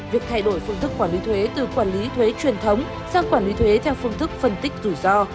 việc thay đổi phương thức quản lý thuế từ quản lý thuế truyền thống sang quản lý thuế theo phương thức phân tích rủi ro